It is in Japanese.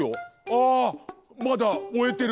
あまだおえてる！